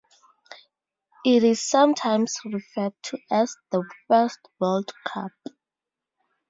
It is sometimes referred to as "The First World Cup".